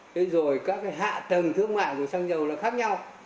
thế rồi các hạ tầng thương mại của xăng dầu là khác nhau